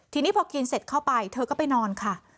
ทีนี้พอกินเสร็จเข้าไปเธอก็ไปนอนค่ะ